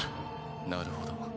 なるほど。